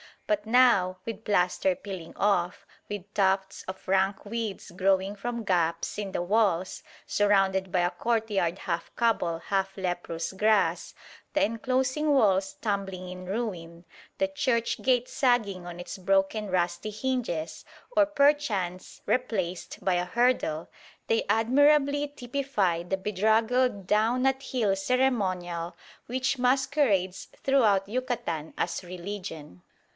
But now, ... with plaster peeling off, with tufts of rank weeds growing from gaps in the walls, surrounded by a courtyard half cobble, half leprous grass, the enclosing walls tumbling in ruin, the church gate sagging on its broken rusty hinges or perchance replaced by a hurdle, they admirably typify the bedraggled down at heel ceremonial which masquerades throughout Yucatan as religion.